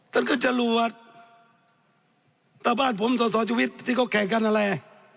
ท่านก็จรวดแต่บ้านผมสอสอชุวิตที่เขาแข่งกันอะไร